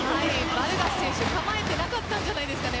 バルガス選手構えていなかったんじゃないですかね。